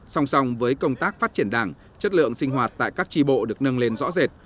song song với công tác phát triển đảng chất lượng sinh hoạt tại các tri bộ được nâng lên rõ rệt